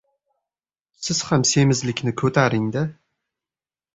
— Siz ham semizlikni ko‘taring-da.